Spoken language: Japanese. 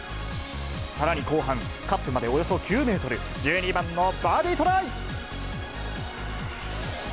さらに後半、カップまでおよそ９メートル、１２番のバーディートライ。